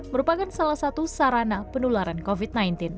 merupakan salah satu sarana penularan covid sembilan belas